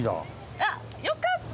あっ良かった！